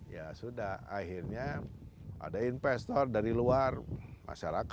ya sudah akhirnya ada investor dari luar masyarakat